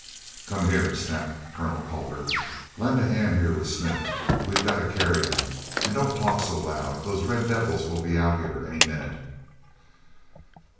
"Come here!" snapped Colonel Culver. "Lend a hand here with Smith; we've got to carry him. And don't talk so loud—those red devils will be out here any minute."